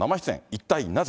一体なぜ。